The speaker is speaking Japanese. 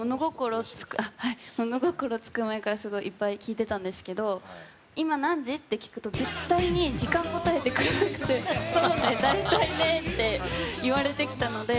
物心つく前からすごいいっぱい聴いてたんですけど今、何時？って聞くと絶対に時間を答えてくれなくてそうね、大体ねって言われてきたので。